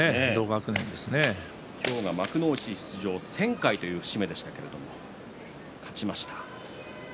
今日が幕内出場１０００回という節目、勝ちました。